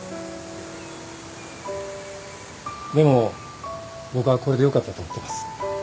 でも僕はこれでよかったと思ってます。